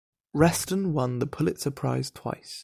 Reston won the Pulitzer Prize twice.